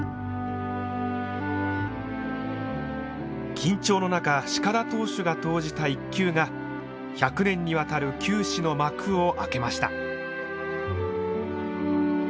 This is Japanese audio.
緊張の中鹿田投手が投じた１球が１００年にわたる球史の幕を開けました。